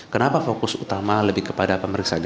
kenapa fokus utama lebih kepada pemeriksaan